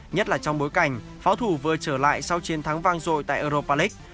nhất là trong bối cảnh pháo thủ vừa trở lại sau chiến thắng vang dội tại europa league